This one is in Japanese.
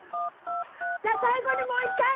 じゃあ最後にもう一回！